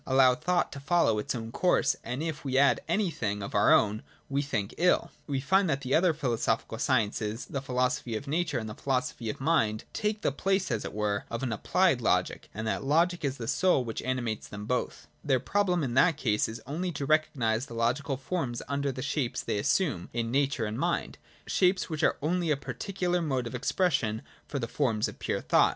allow thought to follow its own course, and, — if we add any thing of our own, we think ill. If in pursuance of the foregoing remarks we consider Logic to be the system of the pure types of thought, we find that the other philosophical sciences, the Philosophy of Nature and the Philosophy of Mind, take the place, as it were, of an Applied Logic, and that Logic is the soul which animates them both. Their problem in that case is only to recognise the logical forms under the shapes they assume in Nature and Mind, — shapes which are only a particular mode of expression for the forms of pure thought.